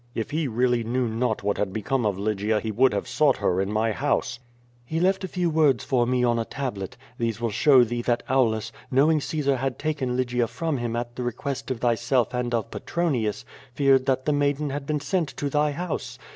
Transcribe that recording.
If he really knew not what had become of Lygia he would have sought her in my house.*' He left a few words for me on a tablet. These will show thee that Aulus, knowing Caesar had taken Lygia from him at the request of thyself and of Petronius, feared that the maiden had been sent to thy house.